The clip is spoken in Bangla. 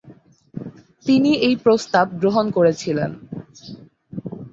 তিনি এই প্রস্তাব গ্রহণ করেছিলেন।